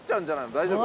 大丈夫？